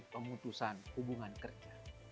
pemutusan hubungan kerja